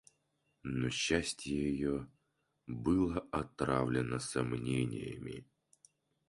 Но счастье ее было отравлено сомнениями.